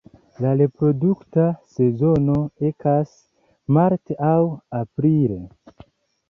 La reprodukta sezono ekas marte aŭ aprile.